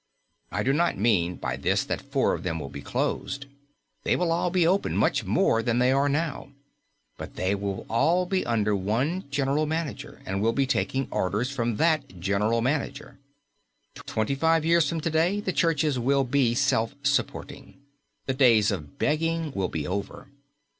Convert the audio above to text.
I do not mean by this that four of them will be closed. They will all be open much more than they are now; but they will all be under one general manager and will be taking orders from that general manager. Twenty five years from to day the churches will be self supporting. The days of begging will be over.